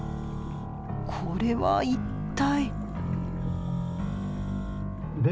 これは一体？